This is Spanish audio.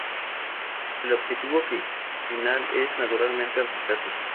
El objetivo final es, naturalmente, el rescate.